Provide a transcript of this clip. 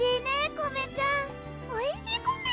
コメちゃんおいしいコメ！